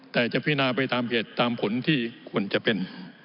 แต่จะพินาไปตามเหตุตามผลที่ควรจะเป็น